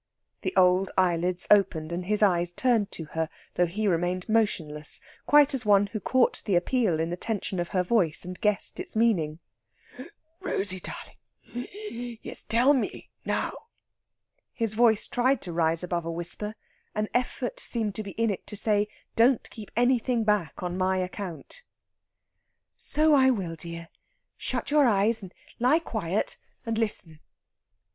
The old eyelids opened, and his eyes turned to her, though he remained motionless quite as one who caught the appeal in the tension of her voice and guessed its meaning. "Rosey darling yes; tell me now." His voice tried to rise above a whisper; an effort seemed to be in it to say: "Don't keep anything back on my account." "So I will, dear. Shut your eyes and lie quiet and listen.